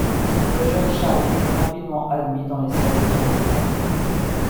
Le jeune Sjarif est rapidement admis dans les cercles européens.